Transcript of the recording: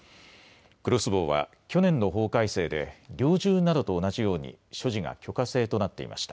クロスボウは去年の法改正で猟銃などと同じように所持が許可制となっていました。